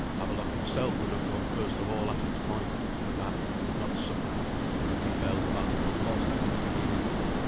Havelok himself would have gone first of all at its point: but that we would not suffer, for if he fell the battle was lost at its beginning.